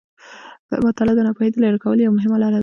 مطالعه د ناپوهي د لیرې کولو یوه مهمه لاره ده.